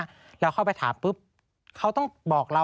เราเข้าไปถามปุ๊บเขาต้องบอกเรา